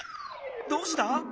どうした？